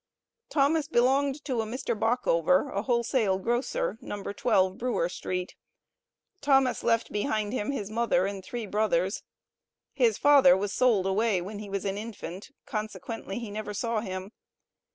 Thomas belonged to a Mr. Bockover, a wholesale grocer, No. 12 Brewer street. Thomas left behind him his mother and three brothers. His father was sold away when he was an infant, consequently he never saw him.